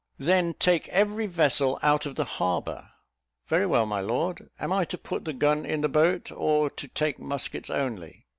"Then take every vessel out of the harbour." "Very well, my lord. Am I to put the gun in the boat? or to take muskets only?"